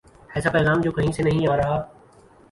ایسا پیغام جو کہیں سے نہیں آ رہا۔